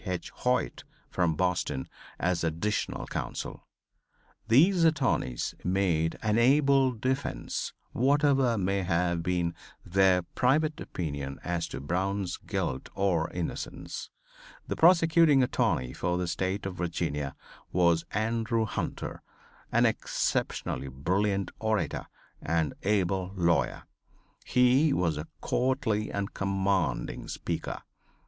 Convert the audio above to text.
Hoyt from Boston, as additional counsel. These attorneys made an able defense, whatever may have been their private opinion as to Brown's guilt or innocence. The prosecuting attorney for the State of Virginia was Andrew Hunter, an exceptionally brilliant orator and able lawyer. He was a courtly and commanding speaker.